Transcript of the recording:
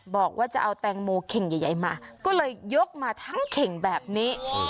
บอกว่าจะเอาแตงโมเข่งใหญ่มาก็เลยยกมาทั้งเข่งแบบนี้